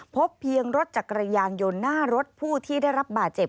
พบเพียงรถจักรยานยนต์หน้ารถผู้ที่ได้รับบาดเจ็บ